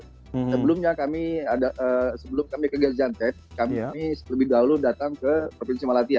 sebelumnya kami ke gajang tepurki kami lebih dahulu datang ke provinsi malatya